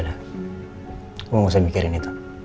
aku gak usah mikirin itu